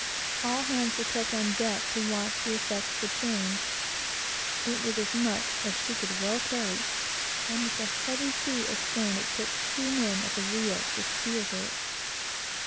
All hands were kept on deck to watch the effect of the change. It was as much as she could well carry, and with a heavy sea astern, it took two men at the wheel to steer her.